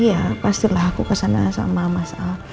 iya pastilah aku kesana sama mas al